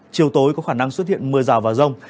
chiều tối có khả năng xuất hiện mưa rào và rông